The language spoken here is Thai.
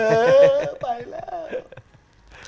เออไปแล้ว